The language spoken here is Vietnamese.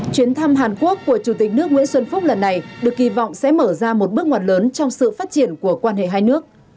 chuyến thăm hàn quốc của chủ tịch nước nguyễn xuân phúc lần này được kỳ vọng sẽ mở ra một bước ngoặt lớn trong sự phát triển của quan hệ hai nước